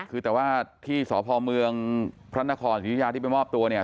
คือแต่ว่าที่สอพเมืองพระนครศรีอยุธยาที่เป็นมอบตัวเนี่ย